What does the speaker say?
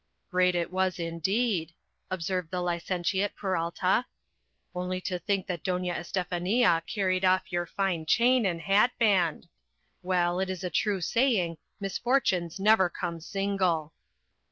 "Great it was, indeed," observed the licentiate Peralta; "only to think that Doña Estefania carried off your fine chain and hat band! Well, it is a true saying, 'Misfortunes never come single.'"